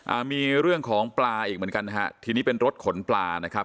อ่ามีเรื่องของปลาอีกเหมือนกันนะฮะทีนี้เป็นรถขนปลานะครับ